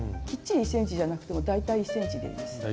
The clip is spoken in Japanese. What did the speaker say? きっちり１ｃｍじゃなくても大体１ｃｍでいいです。